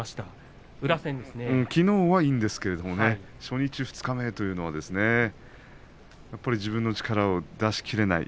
きのうはいいんですけどね初日、二日目やはり自分の力を出し切れない。